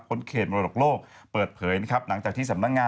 เขตมรดกโลกเปิดเผยนะครับหลังจากที่สำนักงาน